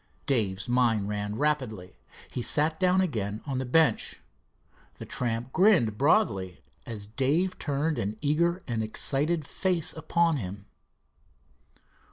Dave's mind ran rapidly. He sat down again on the bench. The tramp grinned broadly as Dave turned an eager and excited face upon him.